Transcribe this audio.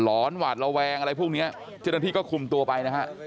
หรอนหวาดระแวงอะไรพวกนี้จนที่ก็คุมตัวไป